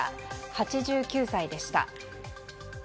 ８９歳でした。